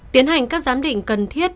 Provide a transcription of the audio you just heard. tiến hành các giám định cần thiết